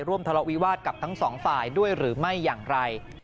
ทะเลาวิวาสกับทั้งสองฝ่ายด้วยหรือไม่อย่างไร